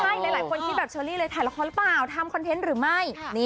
ใช่หลายคนคิดแบบเชอรี่เลยถ่ายละครหรือเปล่าทำคอนเทนต์หรือไม่